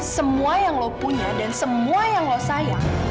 semua yang lo punya dan semua yang lo sayang